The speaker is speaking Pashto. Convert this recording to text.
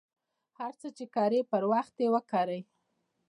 هر څه ،چې کرئ پر وخت یې وکرئ.